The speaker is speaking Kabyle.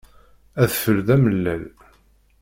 Adfel d amellal.